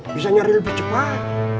bisa nyari lebih cepat